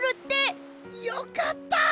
よかった！